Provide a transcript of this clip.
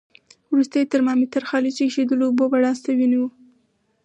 وروسته یې ترمامتر خالصو ایشېدلو اوبو بړاس ته ونیو.